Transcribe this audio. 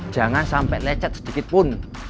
jangan sampai lecet sedikit pun